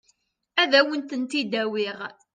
Ad wen-tent-id-awiɣ.